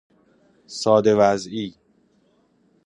ساده وضعی